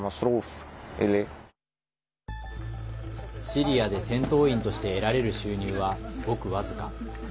シリアで戦闘員として得られる収入は、ごく僅か。